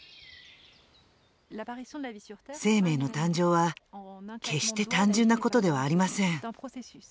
生命の誕生は決して単純なことではありません。